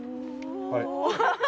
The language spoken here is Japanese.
はい。